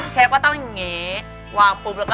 เชฟว่าต้องอย่างนี้วางปุ่มเหลือก็